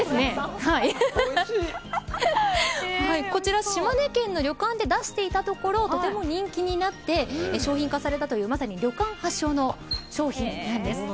こちら島根県の旅館で出していたところとても人気になって商品化されたというまさに旅館発祥の商品なんです。